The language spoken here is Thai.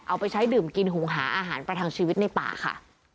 เอาไปใช้ดื่มกินหุงหาอาหารประทังชีวิตในป่าค่ะ